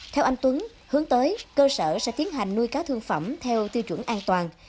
theo anh tuấn hướng tới cơ sở sẽ tiến hành nuôi cá thương phẩm theo tiêu chuẩn an toàn